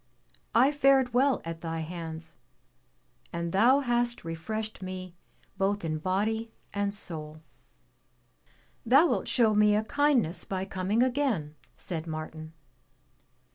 "I fared well at thy hands, and thou hast refreshed me both in body and soul." "Thou wilt show me a kindness by coming again," said Martin.